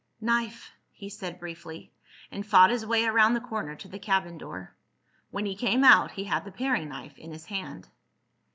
"Knife," he said briefly, and fought his way around the corner to the cabin door. When he came out he had the paring knife in his hand.